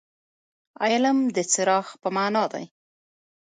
علم د څراغ په معنا دي.